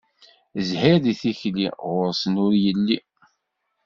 Zzhir deg tikli, ɣur-sen ur yelli.